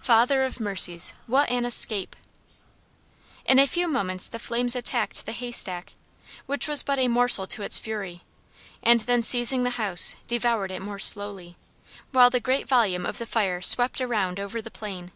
Father of mercies! what an escape! In a few moments the flames attacked the haystack, which was but a morsel to its fury, and then seizing the house devoured it more slowly, while the great volume of the fire swept around over the plain.